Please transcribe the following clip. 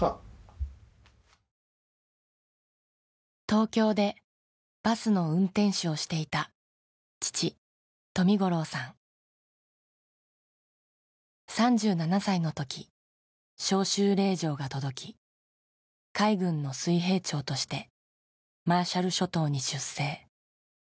東京でバスの運転手をしていた３７歳のとき召集令状が届き海軍の水兵長としてマーシャル諸島に出征。